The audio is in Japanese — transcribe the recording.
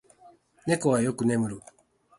猫はよく眠る。